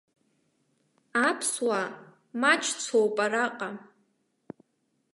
Аԥсуаа маҷцәоуп араҟа.